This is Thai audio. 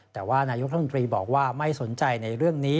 แต่ว่านายกรัฐมนตรีบอกว่าไม่สนใจในเรื่องนี้